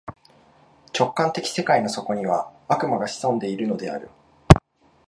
直観的世界の底には、悪魔が潜んでいるのである。